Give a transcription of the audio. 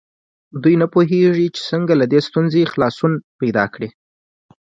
دوی نه پوهېږي چې څنګه له دې ستونزې خلاصون ومومي.